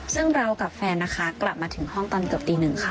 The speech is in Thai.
ซึ่งเรากับแฟนนะคะกลับมาถึงห้องตอนเกือบตีหนึ่งค่ะ